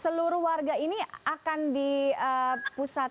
seluruh warga ini akan di pusat